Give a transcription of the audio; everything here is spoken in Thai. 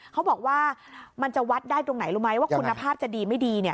เขาบอกว่ามันจะวัดได้ตรงไหนรู้ไหมว่าคุณภาพจะดีไม่ดี